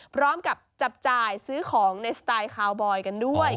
พร้อมกับจับจ่ายซื้อของในสไตล์คาวบอยกันด้วย